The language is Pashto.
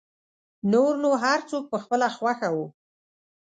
نور نو هر څوک په خپله خوښه و.